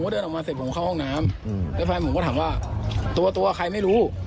เดินออกมาเสร็จผมเข้าห้องน้ำแล้วแฟนผมก็ถามว่าตัวตัวใครไม่รู้